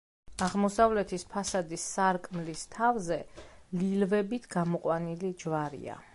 აღმოსავლეთის ფასადის სარკმლის თავზე ლილვებით გამოყვანილი ჯვარია.